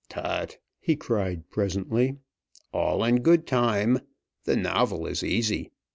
"Tut!" he cried presently. "All in good time! The novel is easy.